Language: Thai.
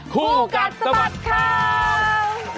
ครูกัดสบัดครัว